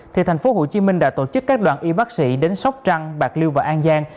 thì thành phố hồ chí minh đã tổ chức các đoàn y bác sĩ đến sóc trăng bạc liêu và an giang